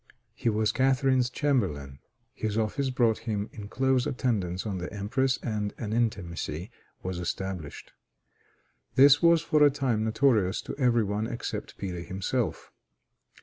He was Catharine's chamberlain. His office brought him in close attendance on the empress, and an intimacy was established. This was for a time notorious to every one except Peter himself.